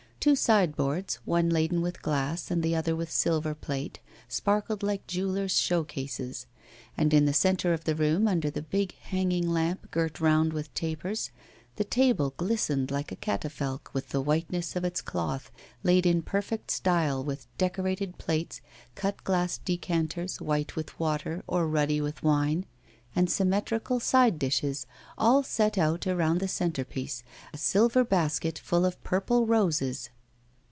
Two sideboards, one laden with glass and the other with silver plate, sparkled like jewellers' show cases. And in the centre of the room, under the big hanging lamp girt round with tapers, the table glistened like a catafalque with the whiteness of its cloth, laid in perfect style, with decorated plates, cut glass decanters white with water or ruddy with wine, and symmetrical side dishes, all set out around the centre piece, a silver basket full of purple roses.